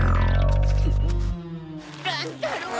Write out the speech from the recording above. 乱太郎！